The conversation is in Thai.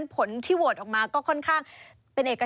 ผลที่โหวตออกมาก็ค่อนข้างเป็นเอก